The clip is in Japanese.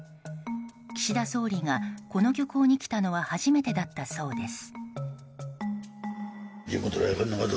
岸田総理が、この漁港に来たのは初めてだったそうです。